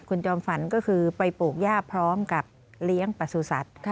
คุณจอมฝันก็คือไปปลูกย่าพร้อมกับเลี้ยงประสุทธิ์สัตว์